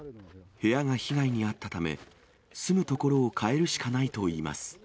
部屋が被害に遭ったため、住むところを変えるしかないといいます。